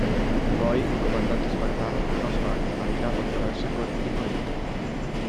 Poi il comandante spartano tornò a Sparta navigando attraverso il Golfo di Corinto.